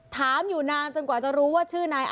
ถามอยู่นานจนกว่าจะรู้ว่าชื่อนาย